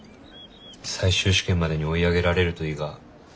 最終試験までに追い上げられるといいが。